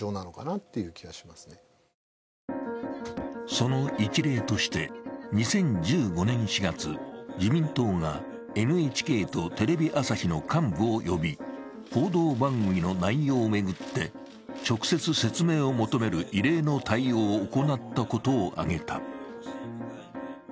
その一例として２０１５年４月、自民党がＮＨＫとテレビ朝日の幹部を呼び報道番組の内容を巡って直接説明を求める異例の対応を行ったことを挙げた。